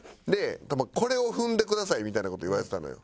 「これを踏んでください」みたいな事言われてたのよ